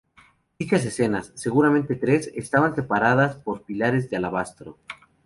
Dichas escenas, seguramente tres, estaban separadas por pilares de alabastro.